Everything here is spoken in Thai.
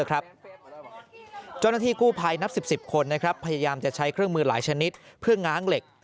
เจ้าหน้าที่กู้ภัยนับ๑๐คนพยายามจะใช้เครื่องมือหลายชนิดเพื่อง้างเหล็ก